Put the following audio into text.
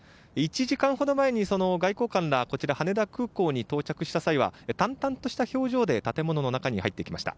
１時間ほど前に外交官らがこちら、羽田空港に到着した際は淡々とした表情で建物の中に入っていきました。